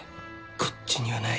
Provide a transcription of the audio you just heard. こっちにはない。